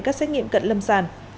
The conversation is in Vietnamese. các xét nghiệm cận lâm sàn